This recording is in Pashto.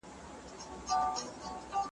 موږ باید د حقایقو په موندلو کې صبر وکړو.